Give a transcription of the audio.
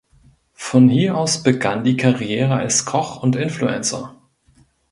Von hier aus begann die Karriere als Koch und Influencer.